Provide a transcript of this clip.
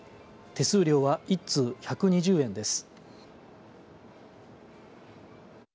手数料は１通１２０円です。